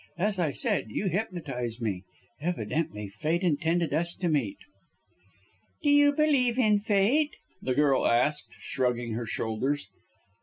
As I said, you hypnotized me. Evidently fate intended us to meet." "Do you believe in fate?" the girl asked, shrugging her shoulders.